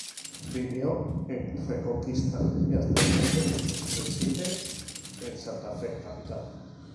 Vivió en Reconquista y actualmente reside en Santa Fe capital.